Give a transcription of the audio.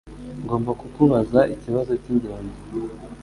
Ngomba kukubaza ikibazo cyingenzi.